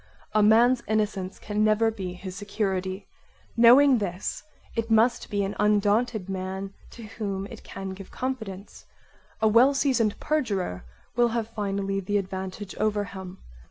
A man's innocence can never be his security; knowing this it must be an undaunted man to whom it can give confidence; a well seasoned perjurer will have finally the advantage over him.